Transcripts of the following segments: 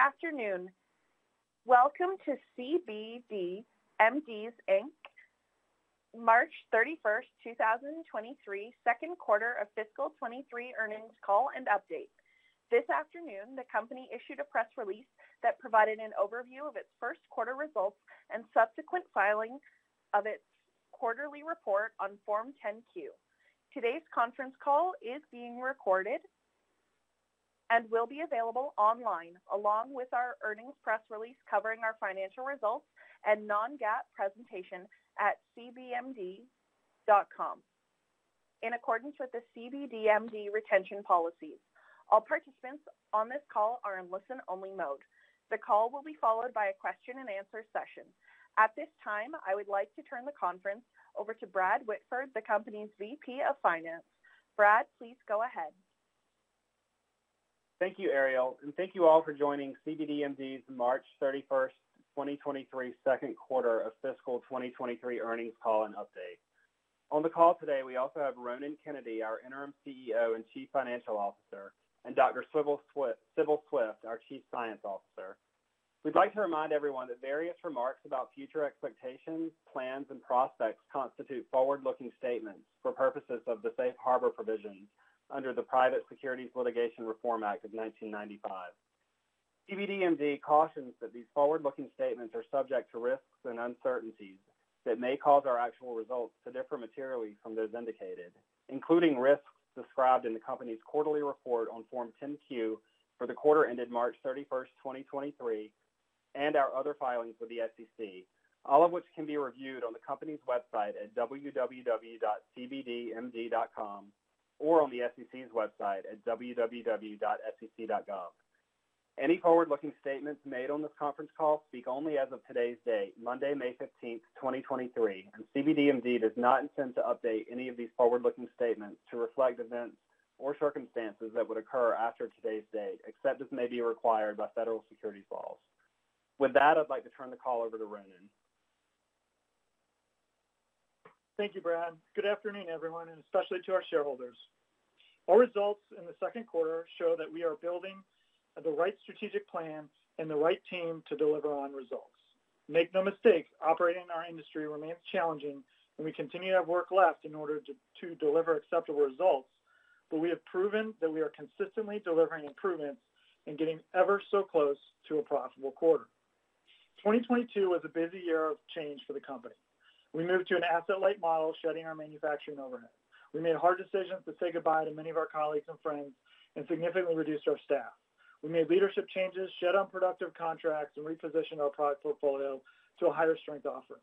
Good afternoon. Welcome to cbdMD, Inc. March 31st, 2023, second quarter of fiscal 23 earnings call and update. This afternoon, the company issued a press release that provided an overview of its first quarter results and subsequent filing of its quarterly report on Form 10-Q. Today's conference call is being recorded and will be available online along with our earnings press release covering our financial results and non-GAAP presentation at cbmd.com. In accordance with the cbdMD retention policies, all participants on this call are in listen-only mode. The call will be followed by a question-and-answer session. At this time, I would like to turn the conference over to Bradley Whitford, the company's VP of Finance. Brad, please go ahead. Thank you, Ariel, and thank you all for joining cbdMD's March 31st, 2023, second quarter of fiscal 2023 earnings call and update. On the call today, we also have Ronan Kennedy, our interim CEO and Chief Financial Officer, and Dr. Sibyl Swift, our Chief Science Officer. We'd like to remind everyone that various remarks about future expectations, plans, and prospects constitute forward-looking statements for purposes of the Safe Harbor provisions under the Private Securities Litigation Reform Act of 1995. cbdMD cautions that these forward-looking statements are subject to risks and uncertainties that may cause our actual results to differ materially from those indicated, including risks described in the company's quarterly report on Form 10-Q for the quarter ended March 31st, 2023, and our other filings with the SEC, all of which can be reviewed on the company's website at www.cbmd.com or on the SEC's website at www.sec.gov. Any forward-looking statements made on this conference call speak only as of today's date, Monday, May 15th, 2023, and cbdMD does not intend to update any of these forward-looking statements to reflect events or circumstances that would occur after today's date, except as may be required by federal securities laws. With that, I'd like to turn the call over to Ronan. Thank you, Brad. Good afternoon, everyone, and especially to our shareholders. Our results in the 2nd quarter show that we are building the right strategic plan and the right team to deliver on results. Make no mistake, operating in our industry remains challenging, and we continue to have work left in order to deliver acceptable results. We have proven that we are consistently delivering improvements and getting ever so close to a profitable quarter. 2022 was a busy year of change for the company. We moved to an asset-light model, shedding our manufacturing overhead. We made hard decisions to say goodbye to many of our colleagues and friends and significantly reduced our staff. We made leadership changes, shed unproductive contracts, and repositioned our product portfolio to a higher strength offering.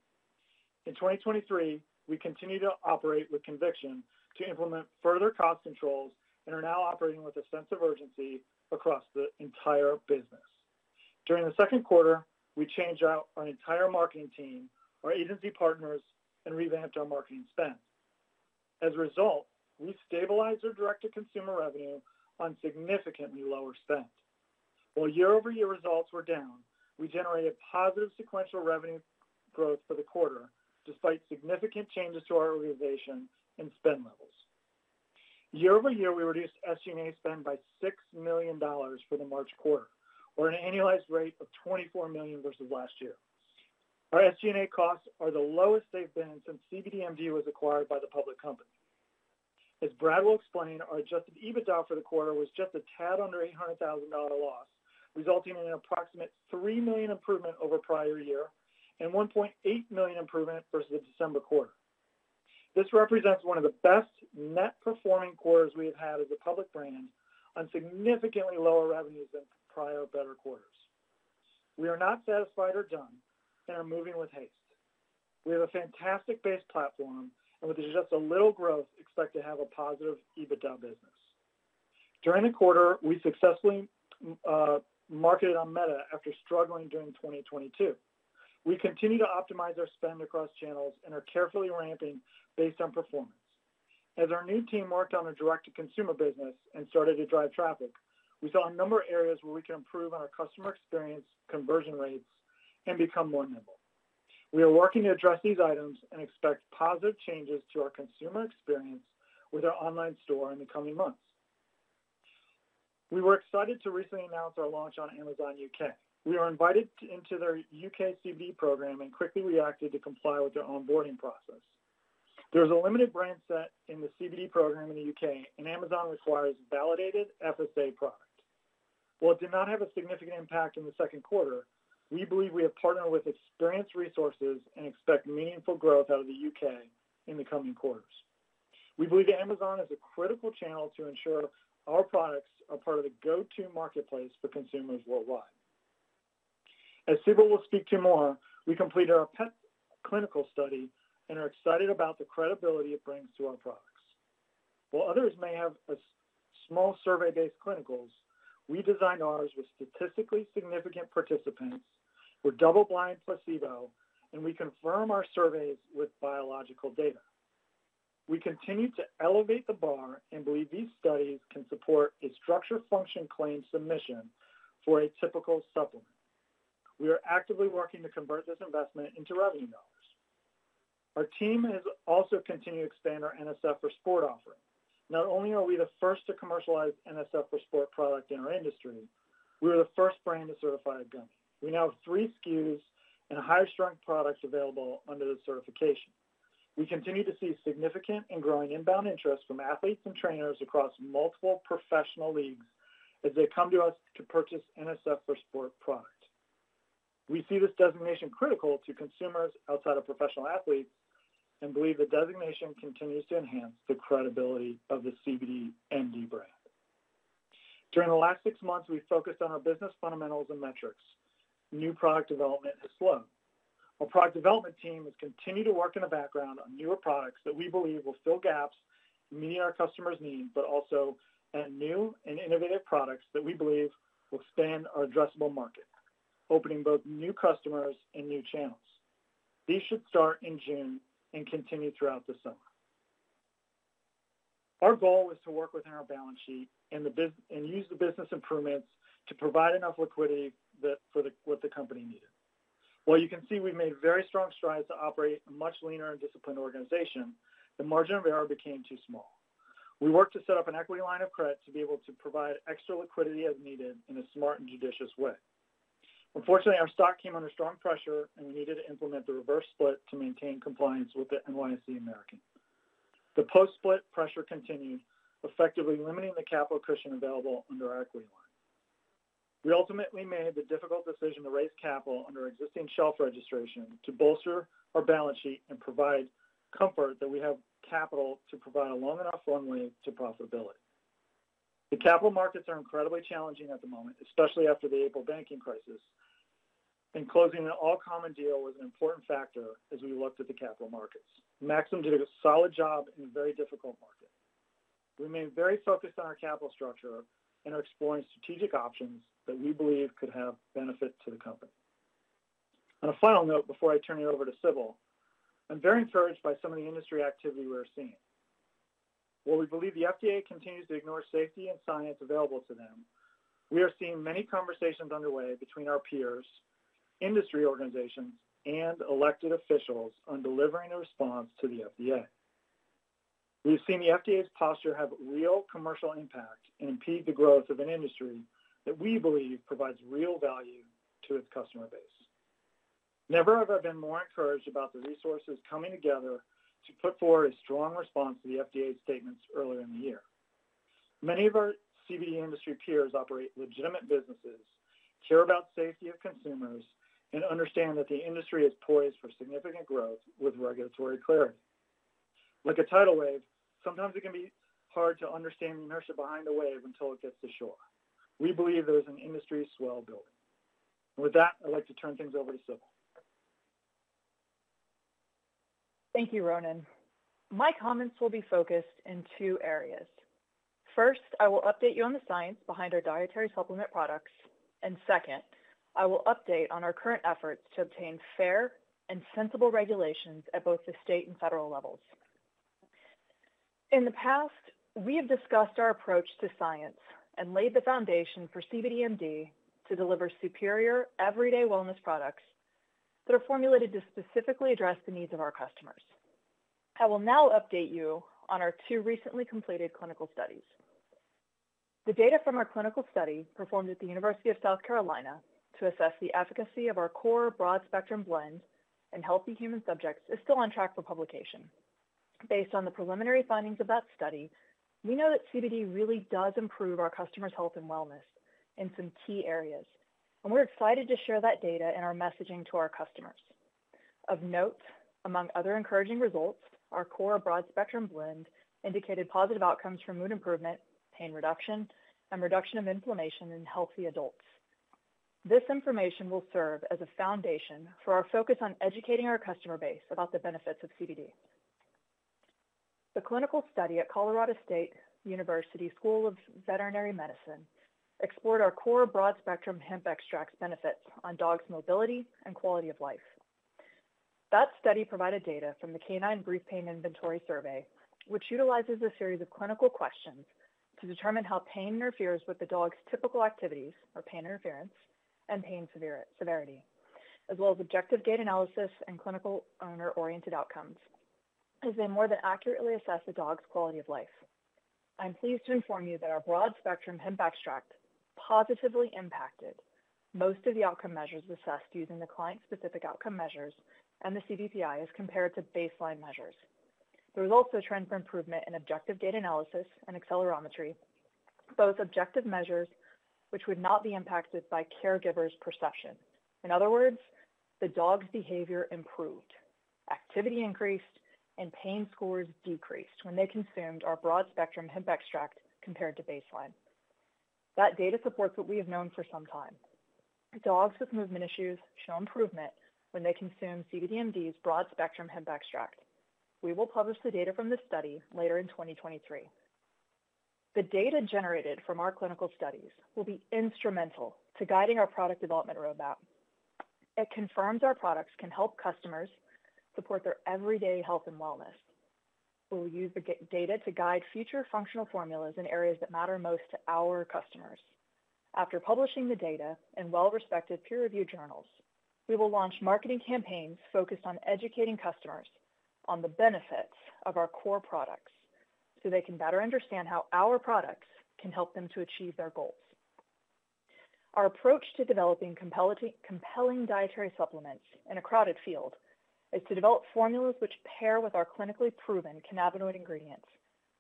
In 2023, we continue to operate with conviction to implement further cost controls and are now operating with a sense of urgency across the entire business. During the second quarter, we changed out our entire marketing team, our agency partners, and revamped our marketing spend. As a result, we stabilized our direct-to-consumer revenue on significantly lower spend. While year-over-year results were down, we generated positive sequential revenue growth for the quarter despite significant changes to our organization and spend levels. Year-over-year, we reduced SG&A spend by $6 million for the March quarter. We're at an annualized rate of $24 million versus last year. Our SG&A costs are the lowest they've been since cbdMD was acquired by the public company. As Brad will explain, our adjusted EBITDA for the quarter was just a tad under $800,000 loss, resulting in an approximate $3 million improvement over prior year and $1.8 million improvement versus the December quarter. This represents one of the best net performing quarters we have had as a public brand on significantly lower revenues than prior better quarters. We are not satisfied or done and are moving with haste. We have a fantastic base platform, and with just a little growth, expect to have a positive EBITDA business. During the quarter, we successfully marketed on Meta after struggling during 2022. We continue to optimize our spend across channels and are carefully ramping based on performance. As our new team worked on a direct-to-consumer business and started to drive traffic, we saw a number of areas where we can improve on our customer experience, conversion rates, and become more nimble. We are working to address these items and expect positive changes to our consumer experience with our online store in the coming months. We were excited to recently announce our launch on Amazon UK. We were invited into their UK CBD program and quickly reacted to comply with their onboarding process. There's a limited brand set in the CBD program in the UK, and Amazon requires validated FSA product. While it did not have a significant impact in the second quarter, we believe we have partnered with experienced resources and expect meaningful growth out of the UK in the coming quarters. We believe that Amazon is a critical channel to ensure our products are part of the go-to marketplace for consumers worldwide. As Sibyl will speak to more, we completed our pet clinical study and are excited about the credibility it brings to our products. While others may have a small survey-based clinicals, we designed ours with statistically significant participants with double-blind placebo, and we confirm our surveys with biological data. We continue to elevate the bar and believe these studies can support a structure function claim submission for a typical supplement. We are actively working to convert this investment into revenue now. Our team has also continued to expand our NSF for Sport offering. Not only are we the first to commercialize NSF for Sport product in our industry, we are the first brand to certify a gummy. We now have 3 SKUs and a high-strength product available under the certification. We continue to see significant and growing inbound interest from athletes and trainers across multiple professional leagues as they come to us to purchase NSF Certified for Sport product. We see this designation critical to consumers outside of professional athletes and believe the designation continues to enhance the credibility of the cbdMD brand. During the last six months, we focused on our business fundamentals and metrics. New product development has slowed. Our product development team has continued to work in the background on newer products that we believe will fill gaps and meet our customers' needs, but also add new and innovative products that we believe will expand our addressable market, opening both new customers and new channels. These should start in June and continue throughout the summer. Our goal was to work within our balance sheet and use the business improvements to provide enough liquidity that what the company needed. While you can see we've made very strong strides to operate a much leaner and disciplined organization, the margin of error became too small. We worked to set up an equity line of credit to be able to provide extra liquidity as needed in a smart and judicious way. Unfortunately, our stock came under strong pressure, and we needed to implement the reverse split to maintain compliance with the NYSE American. The post-split pressure continued, effectively limiting the capital cushion available under our equity line. We ultimately made the difficult decision to raise capital under existing shelf registration to bolster our balance sheet and provide comfort that we have capital to provide a long enough runway to profitability. The capital markets are incredibly challenging at the moment, especially after the April banking crisis, and closing an all-common deal was an important factor as we looked at the capital markets. Maxim did a solid job in a very difficult market. We remain very focused on our capital structure and are exploring strategic options that we believe could have benefit to the company. On a final note, before I turn it over to Sibyl, I'm very encouraged by some of the industry activity we are seeing. While we believe the FDA continues to ignore safety and science available to them, we are seeing many conversations underway between our peers, industry organizations, and elected officials on delivering a response to the FDA. We have seen the FDA's posture have real commercial impact and impede the growth of an industry that we believe provides real value to its customer base. Never have I been more encouraged about the resources coming together to put forward a strong response to the FDA's statements earlier in the year. Many of our CBD industry peers operate legitimate businesses, care about safety of consumers, and understand that the industry is poised for significant growth with regulatory clarity. Like a tidal wave, sometimes it can be hard to understand the inertia behind a wave until it gets to shore. We believe there's an industry swell building. With that, I'd like to turn things over to Sibyl. Thank you, Ronan. My comments will be focused in two areas. First, I will update you on the science behind our dietary supplement products. Second, I will update on our current efforts to obtain fair and sensible regulations at both the state and federal levels. In the past, we have discussed our approach to science and laid the foundation for cbdMD to deliver superior everyday wellness products that are formulated to specifically address the needs of our customers. I will now update you on our two recently completed clinical studies. The data from our clinical study performed at the University of South Carolina to assess the efficacy of our core broad spectrum blend in healthy human subjects is still on track for publication. Based on the preliminary findings of that study, we know that CBD really does improve our customers' health and wellness in some key areas, and we're excited to share that data in our messaging to our customers. Of note, among other encouraging results, our core broad spectrum blend indicated positive outcomes for mood improvement, pain reduction, and reduction of inflammation in healthy adults. This information will serve as a foundation for our focus on educating our customer base about the benefits of CBD. The clinical study at Colorado State University School of Veterinary Medicine explored our core broad spectrum hemp extract's benefits on dogs' mobility and quality of life. That study provided data from the Canine Brief Pain Inventory survey, which utilizes a series of clinical questions to determine how pain interferes with the dog's typical activities or pain interference and pain severity, as well as objective gait analysis and clinical owner-oriented outcomes, as they more than accurately assess the dog's quality of life. I'm pleased to inform you that our broad spectrum hemp extract positively impacted most of the outcome measures assessed using the client-specific outcome measures and the CBPI as compared to baseline measures. There was also a trend for improvement in objective data analysis and accelerometry, both objective measures which would not be impacted by caregivers' perception. In other words, the dogs' behavior improved, activity increased, and pain scores decreased when they consumed our broad spectrum hemp extract compared to baseline. That data supports what we have known for some time. Dogs with movement issues show improvement when they consume cbdMD's broad spectrum hemp extract. We will publish the data from this study later in 2023. The data generated from our clinical studies will be instrumental to guiding our product development roadmap. It confirms our products can help customers support their everyday health and wellness. We'll use the g-data to guide future functional formulas in areas that matter most to our customers. After publishing the data in well-respected peer-reviewed journals, we will launch marketing campaigns focused on educating customers on the benefits of our core products, so they can better understand how our products can help them to achieve their goals. Our approach to developing compelling dietary supplements in a crowded field is to develop formulas which pair with our clinically proven cannabinoid ingredients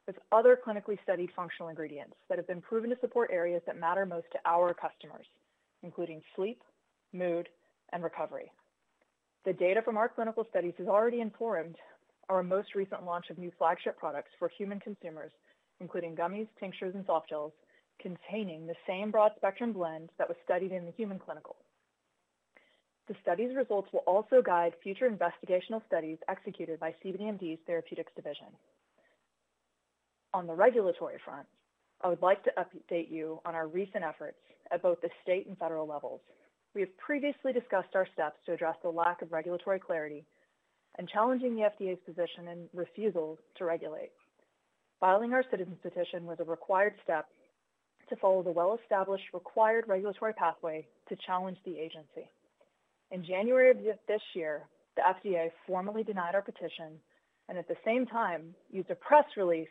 with other clinically studied functional ingredients that have been proven to support areas that matter most to our customers, including sleep, mood, and recovery. The data from our clinical studies has already informed our most recent launch of new flagship products for human consumers, including gummies, tinctures, and softgels, containing the same broad spectrum blend that was studied in the human clinical. The study's results will also guide future investigational studies executed by cbdMD's therapeutics division. On the regulatory front, I would like to update you on our recent efforts at both the state and federal levels. We have previously discussed our steps to address the lack of regulatory clarity and challenging the FDA's position and refusal to regulate. Filing our citizen petition was a required step to follow the well-established required regulatory pathway to challenge the agency. In January of this year, the FDA formally denied our petition and at the same time used a press release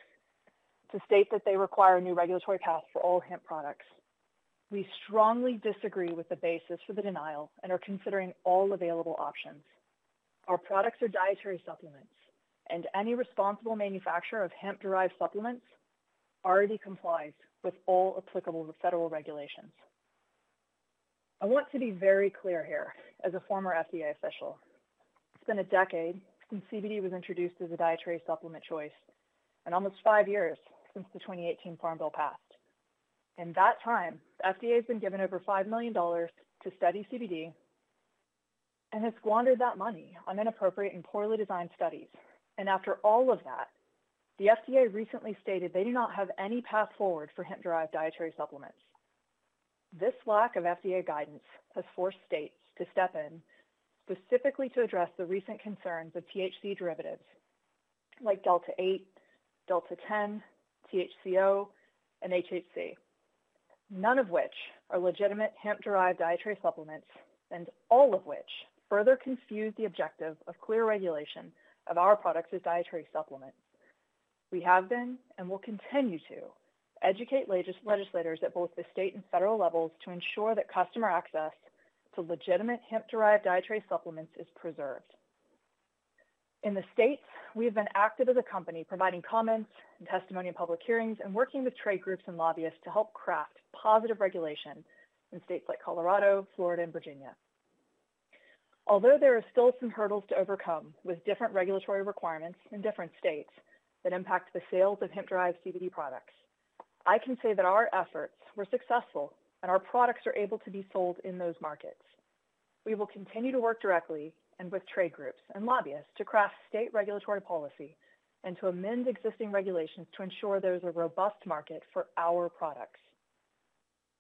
to state that they require a new regulatory path for all hemp products. We strongly disagree with the basis for the denial and are considering all available options. Our products are dietary supplements, and any responsible manufacturer of hemp-derived supplements already complies with all applicable federal regulations. I want to be very clear here as a former FDA official. It's been a decade since CBD was introduced as a dietary supplement choice and almost 5 years since the 2018 Farm Bill passed. In that time, the FDA has been given over $5 million to study CBD and has squandered that money on inappropriate and poorly designed studies. After all of that, the FDA recently stated they do not have any path forward for hemp-derived dietary supplements. This lack of FDA guidance has forced states to step in specifically to address the recent concerns of THC derivatives like delta-8, delta-10, THCO, and HHC, none of which are legitimate hemp-derived dietary supplements, and all of which further confuse the objective of clear regulation of our products as dietary supplements. We have been and will continue to educate legislators at both the state and federal levels to ensure that customer access to legitimate hemp-derived dietary supplements is preserved. In the states, we have been active as a company providing comments and testimony in public hearings and working with trade groups and lobbyists to help craft positive regulation in states like Colorado, Florida, and Virginia. Although there are still some hurdles to overcome with different regulatory requirements in different states that impact the sales of hemp-derived CBD products, I can say that our efforts were successful and our products are able to be sold in those markets. We will continue to work directly and with trade groups and lobbyists to craft state regulatory policy and to amend existing regulations to ensure there is a robust market for our products.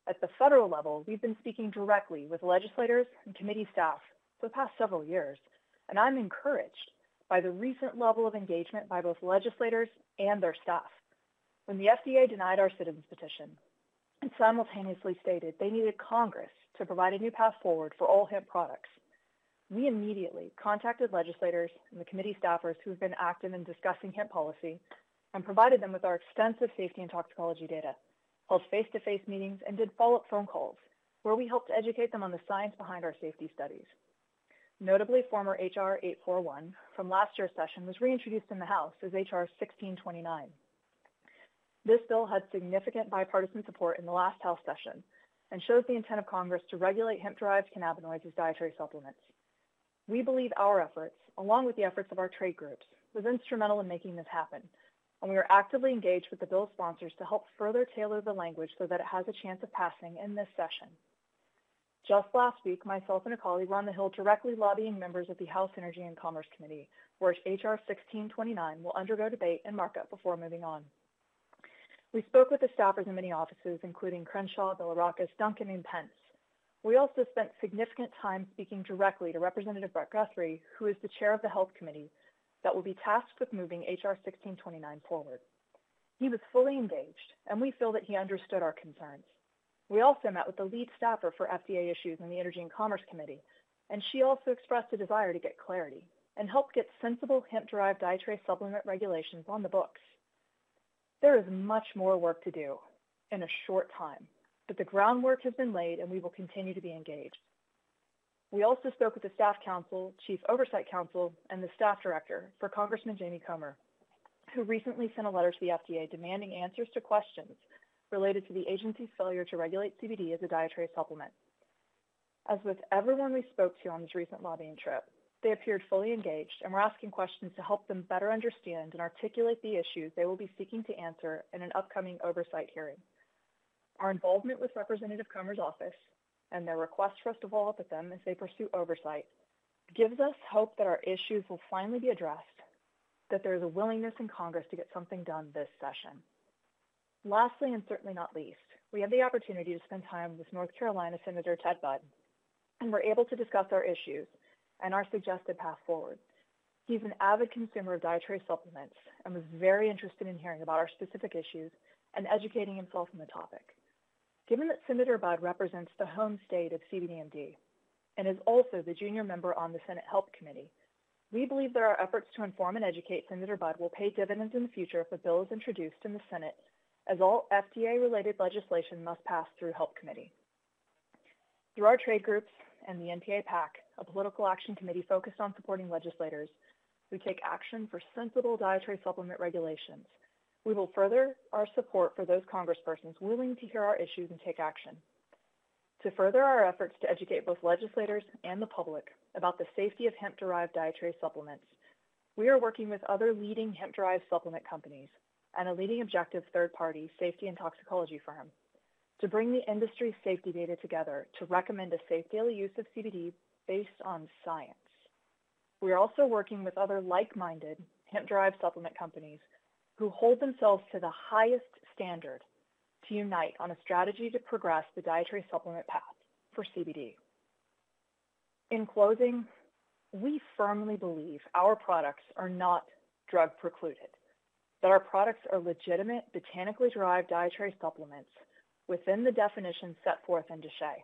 At the federal level, we've been speaking directly with legislators and committee staff for the past several years, and I'm encouraged by the recent level of engagement by both legislators and their staff. When the FDA denied our citizen petition and simultaneously stated they needed Congress to provide a new path forward for all hemp products, we immediately contacted legislators and the committee staffers who have been active in discussing hemp policy and provided them with our extensive safety and toxicology data, held face-to-face meetings, and did follow-up phone calls where we helped educate them on the science behind our safety studies. Notably, former H.R. 841 from last year's session was reintroduced in the House as H.R. 1629. This bill had significant bipartisan support in the last health session and shows the intent of Congress to regulate hemp-derived cannabinoids as dietary supplements. We believe our efforts, along with the efforts of our trade groups, was instrumental in making this happen, and we are actively engaged with the bill's sponsors to help further tailor the language so that it has a chance of passing in this session. Just last week, myself and a colleague were on the Hill directly lobbying members of the House Committee on Energy and Commerce, where H.R. 1629 will undergo debate and markup before moving on. We spoke with the staffers in many offices, including Crenshaw, Bilirakis, Duncan, and Pence. We also spent significant time speaking directly to Representative Brett Guthrie, who is the chair of the Health Committee that will be tasked with moving H.R. 1629 forward. He was fully engaged, and we feel that he understood our concerns. We also met with the lead staffer for FDA issues in the Energy and Commerce Committee. She also expressed a desire to get clarity and help get sensible hemp-derived dietary supplement regulations on the books. There is much more work to do in a short time. The groundwork has been laid. We will continue to be engaged. We also spoke with the staff counsel, chief oversight counsel, and the staff director for Congressman Jamie Comer, who recently sent a letter to the FDA demanding answers to questions related to the agency's failure to regulate CBD as a dietary supplement. As with everyone we spoke to on this recent lobbying trip, they appeared fully engaged and were asking questions to help them better understand and articulate the issues they will be seeking to answer in an upcoming oversight hearing. Our involvement with Representative Comer's office and their request for us to follow up with them as they pursue oversight gives us hope that our issues will finally be addressed, that there is a willingness in Congress to get something done this session. Lastly, and certainly not least, we had the opportunity to spend time with North Carolina Senator Ted Budd, and were able to discuss our issues and our suggested path forward. He's an avid consumer of dietary supplements and was very interested in hearing about our specific issues and educating himself on the topic. Given that Senator Budd represents the home state of cbdMD and is also the junior member on the Senate Health Committee, we believe that our efforts to inform and educate Senator Budd will pay dividends in the future if a bill is introduced in the Senate, as all FDA-related legislation must pass through Health Committee. Through our trade groups and the NPA PAC, a political action committee focused on supporting legislators who take action for sensible dietary supplement regulations, we will further our support for those congresspersons willing to hear our issues and take action. To further our efforts to educate both legislators and the public about the safety of hemp-derived dietary supplements, we are working with other leading hemp-derived supplement companies and a leading objective third-party safety and toxicology firm to bring the industry's safety data together to recommend a safe daily use of CBD based on science. We are also working with other like-minded hemp-derived supplement companies who hold themselves to the highest standard to unite on a strategy to progress the dietary supplement path for CBD. In closing, we firmly believe our products are not drug precluded, that our products are legitimate, botanically derived dietary supplements within the definition set forth in DSHEA,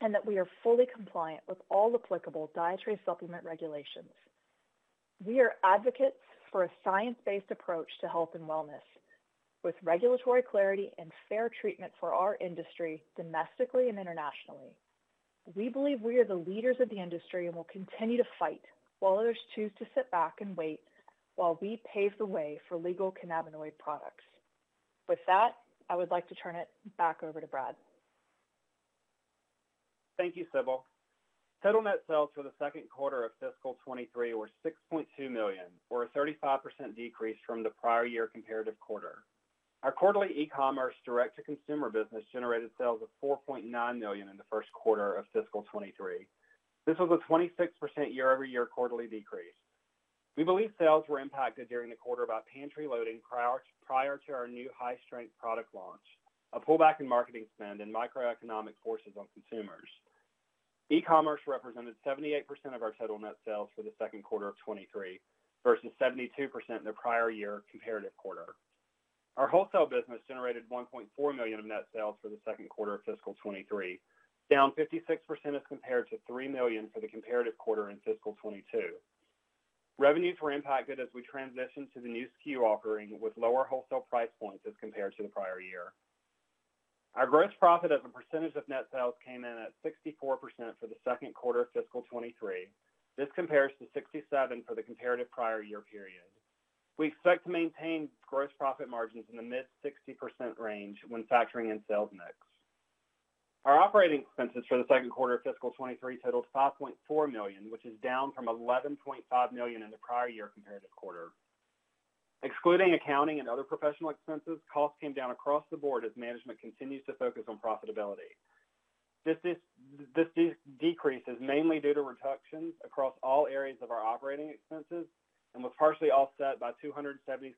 and that we are fully compliant with all applicable dietary supplement regulations. We are advocates for a science-based approach to health and wellness with regulatory clarity and fair treatment for our industry, domestically and internationally. We believe we are the leaders of the industry and will continue to fight while others choose to sit back and wait while we pave the way for legal cannabinoid products. With that, I would like to turn it back over to Brad. Thank you, Sibyl. Total net sales for the second quarter of fiscal 23 were $6.2 million, or a 35% decrease from the prior year comparative quarter. Our quarterly e-commerce direct-to-consumer business generated sales of $4.9 million in the first quarter of fiscal 23. This was a 26% year-over-year quarterly decrease. We believe sales were impacted during the quarter by pantry loading prior to our new high-strength product launch, a pullback in marketing spend, and microeconomic forces on consumers. E-commerce represented 78% of our total net sales for the second quarter of 23 versus 72% in the prior year comparative quarter. Our wholesale business generated $1.4 million of net sales for the second quarter of fiscal 23, down 56% as compared to $3 million for the comparative quarter in fiscal 22. Revenues were impacted as we transitioned to the new SKU offering with lower wholesale price points as compared to the prior year. Our gross profit as a percentage of net sales came in at 64% for the second quarter of fiscal 23. This compares to 67% for the comparative prior year period. We expect to maintain gross profit margins in the mid-60% range when factoring in sales mix. Our operating expenses for the second quarter of fiscal 23 totaled $5.4 million, which is down from $11.5 million in the prior year comparative quarter. Excluding accounting and other professional expenses, costs came down across the board as management continues to focus on profitability. This decrease is mainly due to reductions across all areas of our operating expenses and was partially offset by $277,000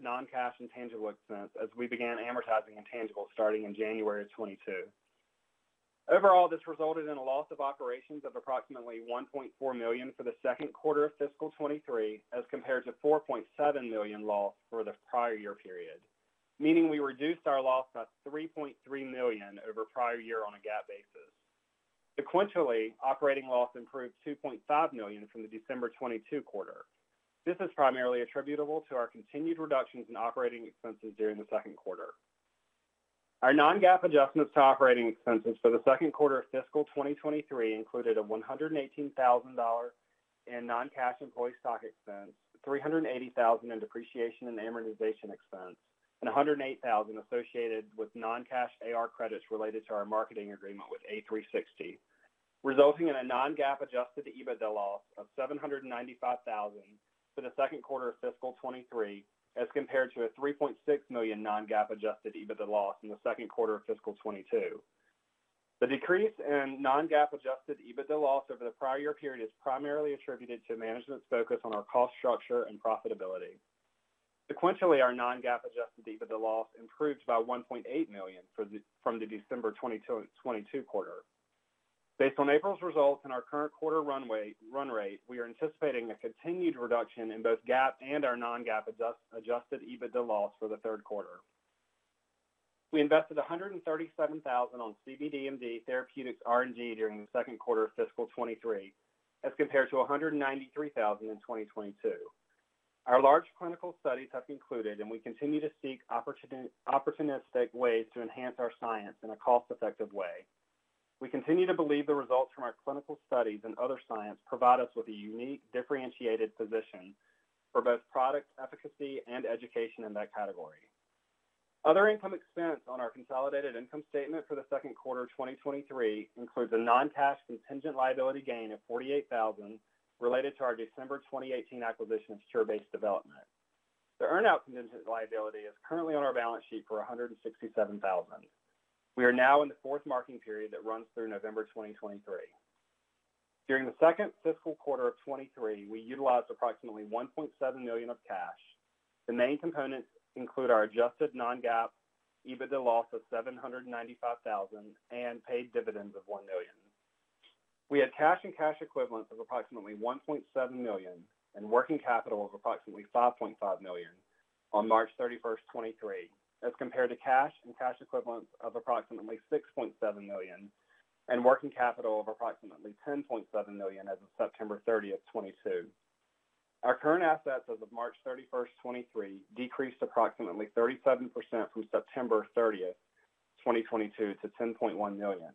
non-cash intangible expense as we began amortizing intangibles starting in January 2022. This resulted in a loss of operations of approximately $1.4 million for the second quarter of fiscal 2023, as compared to $4.7 million loss for the prior year period, meaning we reduced our loss by $3.3 million over prior year on a GAAP basis. Operating loss improved $2.5 million from the December 2022 quarter. This is primarily attributable to our continued reductions in operating expenses during the second quarter. Our non-GAAP adjustments to operating expenses for the second quarter of fiscal 2023 included a $118,000 in non-cash employee stock expense, $380,000 in depreciation and amortization expense, and $108,000 associated with non-cash AR credits related to our marketing agreement with a360, resulting in a non-GAAP adjusted EBITDA loss of $795,000 for the second quarter of fiscal 2023, as compared to a $3.6 million non-GAAP adjusted EBITDA loss in the second quarter of fiscal 2022. The decrease in non-GAAP adjusted EBITDA loss over the prior year period is primarily attributed to management's focus on our cost structure and profitability. Sequentially, our non-GAAP adjusted EBITDA loss improved by $1.8 million from the December 2022 quarter. Based on April's results and our current quarter run rate, we are anticipating a continued reduction in both GAAP and our non-GAAP adjusted EBITDA loss for the third quarter. We invested $137,000 on cbdMD Therapeutics R&D during the second quarter of fiscal 2023, as compared to $193,000 in 2022. Our large clinical studies have concluded, and we continue to seek opportunistic ways to enhance our science in a cost-effective way. We continue to believe the results from our clinical studies and other science provide us with a unique, differentiated position for both product efficacy and education in that category. Other income expense on our consolidated income statement for the second quarter of 2023 includes a non-cash contingent liability gain of $48,000 related to our December 2018 acquisition of Cure Based Development. The earn-out contingent liability is currently on our balance sheet for $167,000. We are now in the fourth marking period that runs through November 2023. During the second fiscal quarter of 2023, we utilized approximately $1.7 million of cash. The main components include our adjusted non-GAAP EBITDA loss of $795,000 and paid dividends of $1 million. We had cash and cash equivalents of approximately $1.7 million and working capital of approximately $5.5 million on March 31st, 2023, as compared to cash and cash equivalents of approximately $6.7 million and working capital of approximately $10.7 million as of September 30th, 2022. Our current assets as of March 31st, 2023, decreased approximately 37% from September 30th, 2022 to $10.1 million.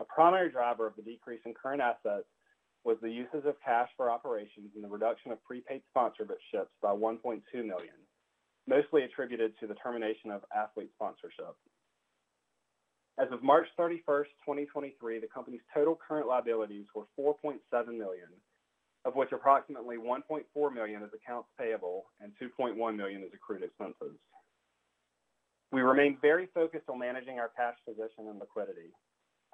A primary driver of the decrease in current assets was the uses of cash for operations and the reduction of prepaid sponsorships by $1.2 million, mostly attributed to the termination of athlete sponsorship. As of March 31, 2023, the company's total current liabilities were $4.7 million, of which approximately $1.4 million is accounts payable and $2.1 million is accrued expenses. We remain very focused on managing our cash position and liquidity.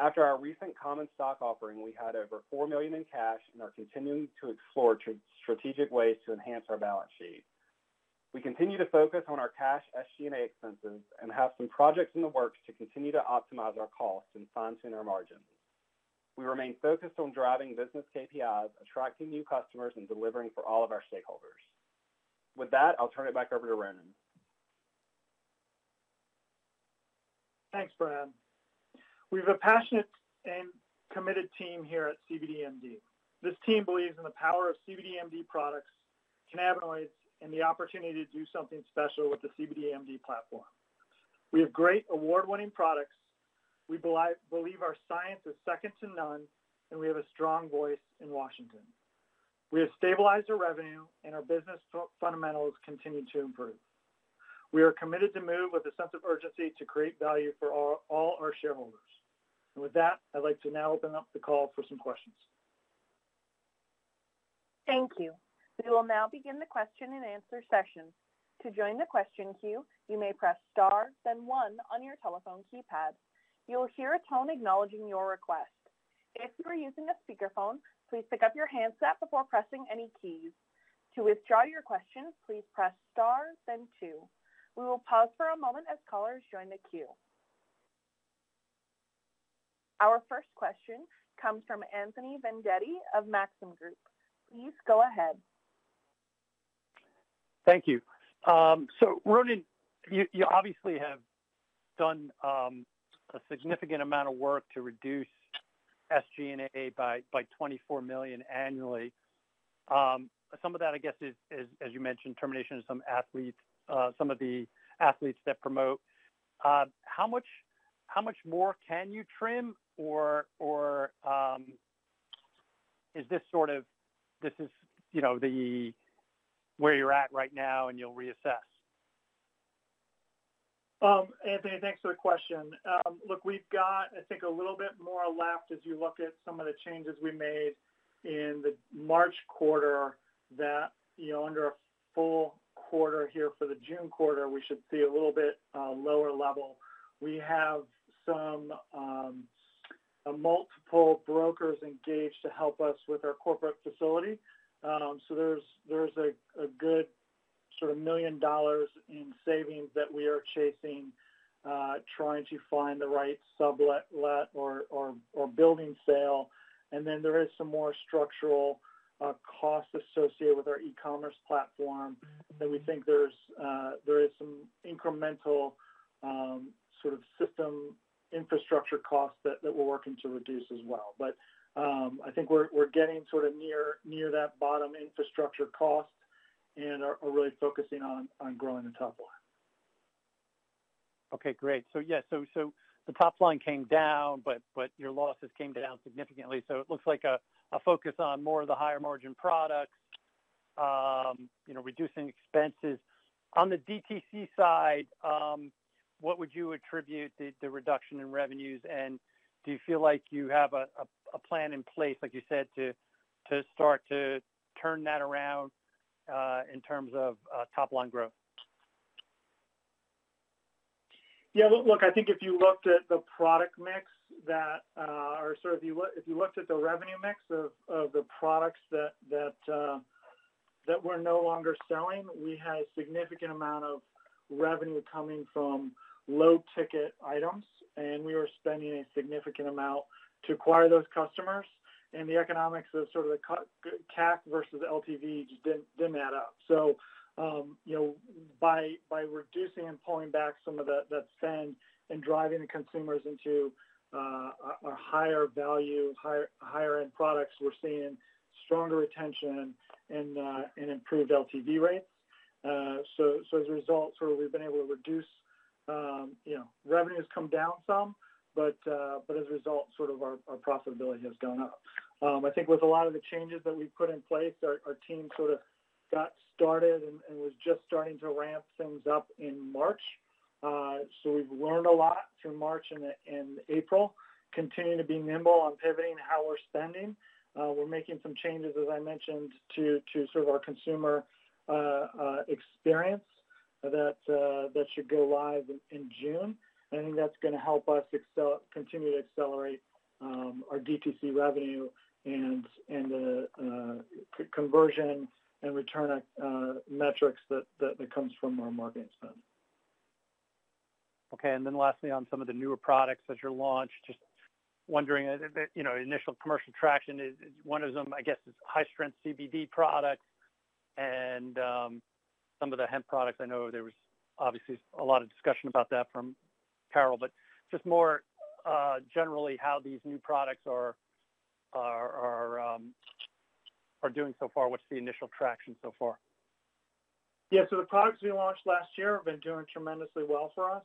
After our recent common stock offering, we had over $4 million in cash and are continuing to explore strategic ways to enhance our balance sheet. We continue to focus on our cash SG&A expenses and have some projects in the works to continue to optimize our costs and fine-tune our margins. We remain focused on driving business KPIs, attracting new customers, and delivering for all of our stakeholders. With that, I'll turn it back over to Ronan. Thanks, Brad. We have a passionate and committed team here at cbdMD. This team believes in the power of cbdMD products, cannabinoids, and the opportunity to do something special with the cbdMD platform. We have great award-winning products. We believe our science is second to none, and we have a strong voice in Washington. We have stabilized our revenue, and our business fundamentals continue to improve. We are committed to move with a sense of urgency to create value for all our shareholders. With that, I'd like to now open up the call for some questions. Thank you. We will now begin the question and answer session. To join the question queue, you may press star, then one on your telephone keypad. You will hear a tone acknowledging your request. If you are using a speakerphone, please pick up your handset before pressing any keys. To withdraw your question, please press star, then two. We will pause for a moment as callers join the queue. Our first question comes from Anthony Vendetti of Maxim Group. Please go ahead. Thank you. Ronan, you obviously have done a significant amount of work to reduce SG&A by $24 million annually. Some of that, I guess is as you mentioned, termination of some athletes, some of the athletes that promote. How much more can you trim or is this sort of, you know, where you're at right now and you'll reassess? Anthony, thanks for the question. Look, we've got, I think, a little bit more left as you look at some of the changes we made in the March quarter that, you know, under a full quarter here for the June quarter, we should see a little bit lower level. We have some multiple brokers engaged to help us with our corporate facility. There's a good sort of million dollars in savings that we are chasing, trying to find the right sublet, let or building sale. There is some more structural costs associated with our e-commerce platform. We think there's there is some incremental sort of system infrastructure costs that we're working to reduce as well. I think we're getting sort of near that bottom infrastructure cost and are really focusing on growing the top line. Okay, great. Yeah, so the top line came down, but your losses came down significantly. It looks like a focus on more of the higher margin products, you know, reducing expenses. On the DTC side, what would you attribute the reduction in revenues? Do you feel like you have a plan in place, like you said, to start to turn that around, in terms of top-line growth? Yeah, look, I think if you looked at the product mix that, or sort of you if you looked at the revenue mix of the products that, that we're no longer selling, we had a significant amount of revenue coming from low-ticket items, and we were spending a significant amount to acquire those customers. And the economics of sort of the CAC versus the LTV just didn't add up. You know, by reducing and pulling back some of the, that spend and driving the consumers into, a higher value, higher-end products, we're seeing stronger retention and improved LTV rates. As a result, sort of we've been able to reduce, you know, revenue has come down some, but as a result, sort of our profitability has gone up. I think with a lot of the changes that we've put in place, our team sort of got started and was just starting to ramp things up in March. We've learned a lot through March and April, continuing to be nimble on pivoting how we're spending. We're making some changes, as I mentioned, to sort of our consumer experience. That should go live in June. I think that's gonna help us continue to accelerate our DTC revenue and conversion and return metrics that comes from our marketing spend. Okay. Lastly, on some of the newer products that you launched, just wondering, you know, initial commercial traction. One of them, I guess, is high-strength CBD products and some of the hemp products. I know there was obviously a lot of discussion about that from Sibyl, just more generally how these new products are doing so far. What's the initial traction so far? The products we launched last year have been doing tremendously well for us.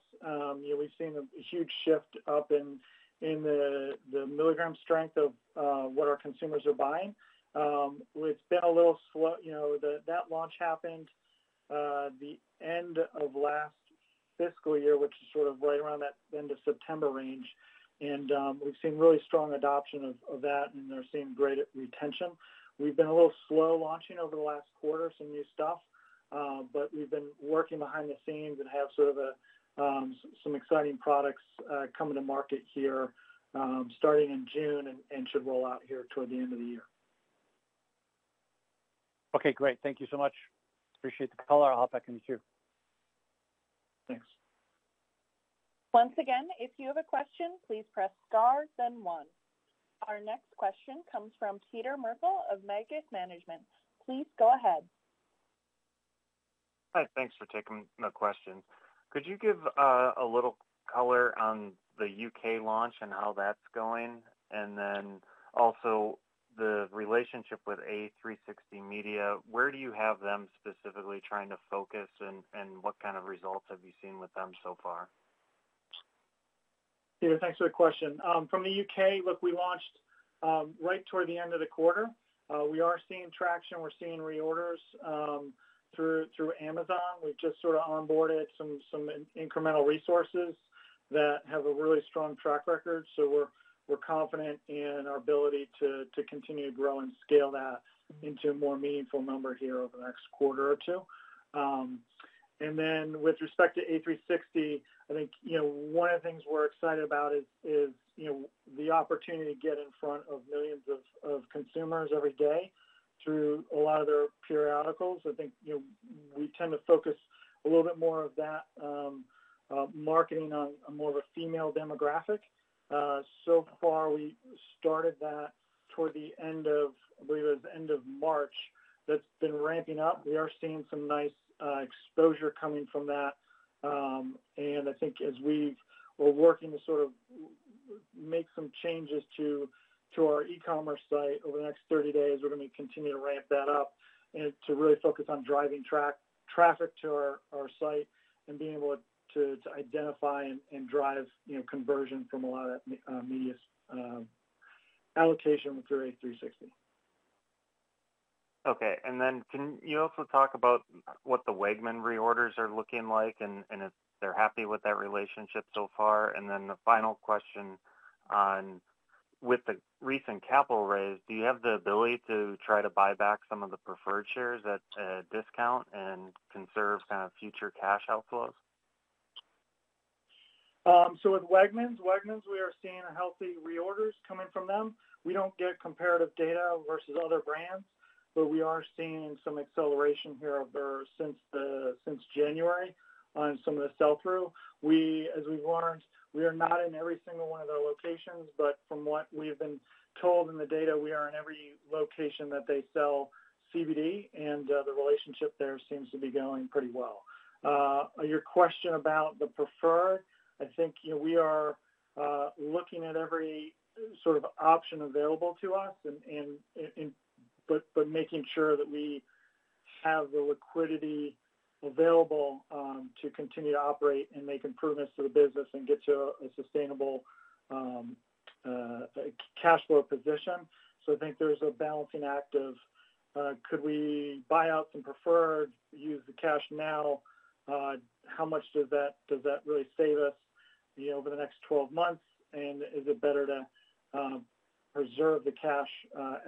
We've been seeing a huge shift up in the milligram strength of what our consumers are buying. We've been a little slow. You know, that launch happened the end of last fiscal year, which is sort of right around that end of September range. We've seen really strong adoption of that, and they're seeing great retention. We've been a little slow launching over the last quarter, some new stuff, but we've been working behind the scenes and have sort of some exciting products coming to market here, starting in June and should roll out here toward the end of the year. Okay, great. Thank you so much. Appreciate the call. I'll hop back in the queue. Thanks. Once again, if you have a question, please press star then one. Our next question comes from Peter Merkel of Magis Capital Management. Please go ahead. Hi. Thanks for taking my question. Could you give a little color on the U.K. launch and how that's going? Also the relationship with a360 Media, LLC, where do you have them specifically trying to focus and what kind of results have you seen with them so far? Peter, thanks for the question. From the U.K., look, we launched right toward the end of the quarter. We are seeing traction. We're seeing reorders through Amazon. We've just sort of onboarded some incremental resources that have a really strong track record. We're confident in our ability to continue to grow and scale that into a more meaningful number here over the next quarter or two. With respect to a360 Media, LLC, I think, you know, one of the things we're excited about is, you know, the opportunity to get in front of millions of consumers every day through a lot of their periodicals. I think, you know, we tend to focus a little bit more of that marketing on more of a female demographic. So far we started that toward the end of, I believe it was end of March. That's been ramping up. We are seeing some nice exposure coming from that. I think as we're working to sort of make some changes to our e-commerce site over the next 30 days, we're gonna continue to ramp that up and to really focus on driving traffic to our site and being able to identify and drive, you know, conversion from a lot of media's allocation through a360 Media, LLC. Okay. Can you also talk about what the Wegovy reorders are looking like and if they're happy with that relationship so far? The final question on with the recent capital raise, do you have the ability to try to buy back some of the preferred shares at a discount and conserve kind of future cash outflows? With Wegovy, we are seeing healthy reorders coming from them. We don't get comparative data versus other brands, we are seeing some acceleration here since January on some of the sell-through. As we've learned, we are not in every single one of their locations, from what we've been told in the data, we are in every location that they sell CBD, the relationship there seems to be going pretty well. Your question about the preferred, I think, you know, we are looking at every sort of option available to us and making sure that we have the liquidity available to continue to operate and make improvements to the business and get to a sustainable cash flow position. I think there's a balancing act of, could we buy out some preferred, use the cash now? How much does that really save us, you know, over the next 12 months? Is it better to preserve the cash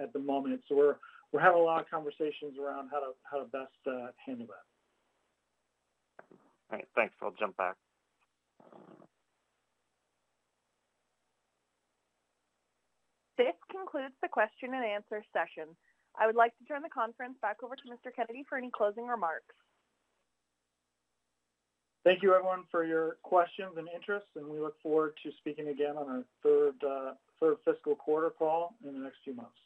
at the moment? We're having a lot of conversations around how to best handle that. All right. Thanks. I'll jump back. This concludes the question and answer session. I would like to turn the conference back over to Mr. Kennedy for any closing remarks. Thank you, everyone, for your questions and interest. We look forward to speaking again on our third fiscal quarter call in the next few months.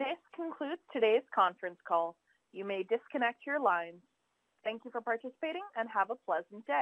This concludes today's conference call. You may disconnect your lines. Thank you for participating and have a pleasant day.